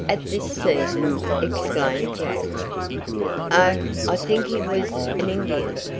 At this season!" exclaimed Jack. "Oh, I think he was an Indian.